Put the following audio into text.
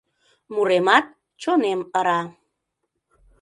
Муремат, чонем ыра